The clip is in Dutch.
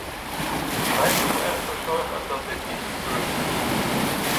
Wij moeten ervoor zorgen dat dit niet gebeurt.